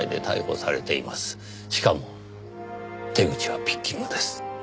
しかも手口はピッキングです。